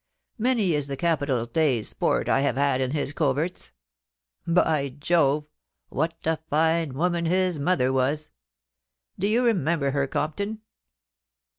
Many is the capital day's sport I have had in his coverts. By Jove ! what a fine woman his mother was ! Do you remem ber her, Compton